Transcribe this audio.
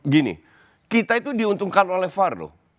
gini kita itu diuntungkan oleh var loh